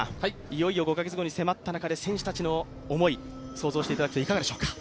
いよいよ５カ月後に迫った中で選手たちの思い想像していただくといかがでしょうか？